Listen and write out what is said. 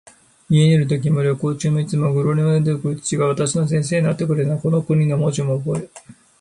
家にいるときも、旅行中も、いつもグラムダルクリッチが私の先生になってくれたので、この国の文字もおぼえ、